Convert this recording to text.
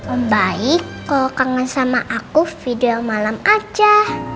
om baik kalo kangen sama aku video yang malem aja